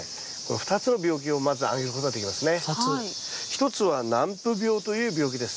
一つは軟腐病という病気です。